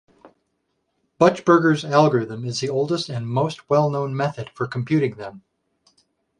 Buchberger's algorithm is the oldest and most well-known method for computing them.